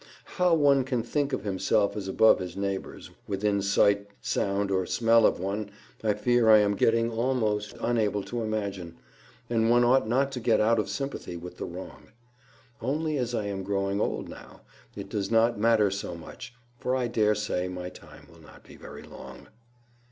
How one can think of himself as above his neighbours, within sight, sound, or smell of one, I fear I am getting almost unable to imagine, and one ought not to get out of sympathy with the wrong. Only as I am growing old now, it does not matter so much, for I daresay my time will not be very long.